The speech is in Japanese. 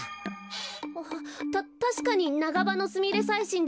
あたたしかにナガバノスミレサイシンです。